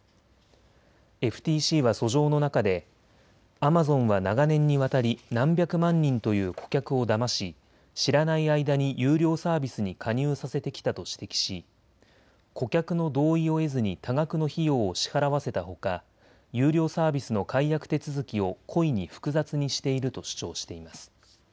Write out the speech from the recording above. ＦＴＣは訴状の中でアマゾンは長年にわたり何百万人という顧客をだまし知らない間に有料サービスに加入させてきたと指摘し顧客の同意を得ずに多額の費用を支払わせたほか、有料サービスの解約手続きを故意に複雑にしていると主張しています。